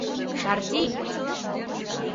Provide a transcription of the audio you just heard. — Шартий!